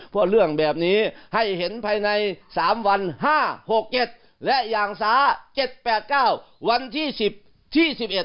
เพราะเรื่องแบบนี้ให้เห็นภายใน๓วัน๕๖๗และอย่างสา๗๘๙วันที่๑๐ที่๑๑